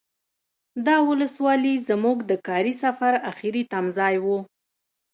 دا ولسوالي زمونږ د کاري سفر اخري تمځای و.